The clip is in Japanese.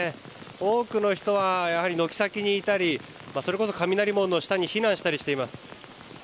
多くの人は軒先にいたりそれこそ雷門の下に避難したりしています。